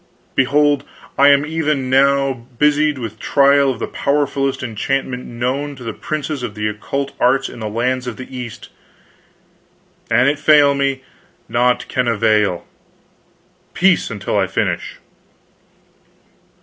"Behold, I am even now busied with trial of the powerfulest enchantment known to the princes of the occult arts in the lands of the East; an it fail me, naught can avail. Peace, until I finish."